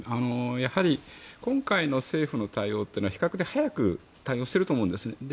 やはり今回の政府の対応というのは比較的早く対応していると思うんです。